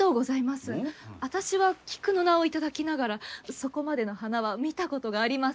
あたしは「菊」の名を頂きながらそこまでの花は見たことがありません。